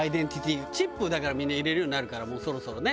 チップだからみんな入れるようになるからもうそろそろね。